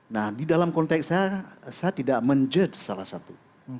nah di dalam konteks saya saya tidak menjudge salah satu